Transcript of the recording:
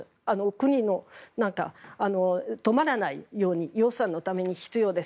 国が止まらないように予算のために必要です。